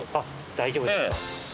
大丈夫ですか？